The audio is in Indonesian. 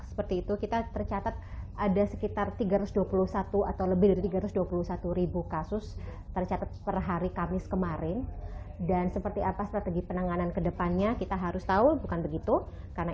seperti itu kita tercatat ada sekitar tiga ratus dua puluh satu atau lebih dari tiga ratus dua puluh satu ribu kasus